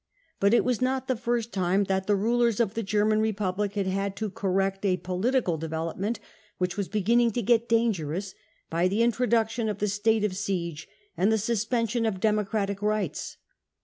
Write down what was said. But it was not the first time that the rulers of the German republic had had to " correct " a political 'development which was beginning to get dangerous, by the introduction of the state of siege 'and the suspension of democratic rights.